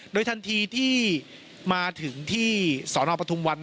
โดยทันทีที่มาถึงที่สนปทุมวัน